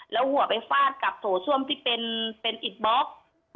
แล้วหัวไปฟาดกับโถส้วมที่เป็นอิดบล็อก